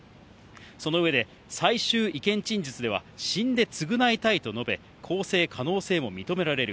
その上で、最終意見陳述では死んで償いたいと述べ、更生可能性も認められる。